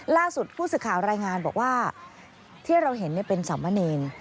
ล่าสุดผู้สื่อข่าวรายงานบอกว่าที่เราเห็นเป็นสามเณร